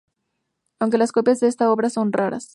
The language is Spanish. Aunque las copias de esta obra son raras.